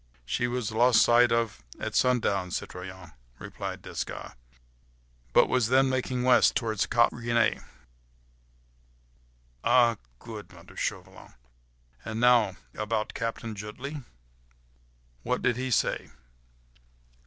"She was lost sight of at sundown, citoyen," replied Desgas, "but was then making west, towards Cap Gris Nez." "Ah!—good!—" muttered Chauvelin, "and now, about Captain Jutley?—what did he say?"